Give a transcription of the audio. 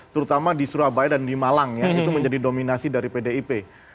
terutama di surabaya dan di malang ya itu menjadi dominasi dari pdip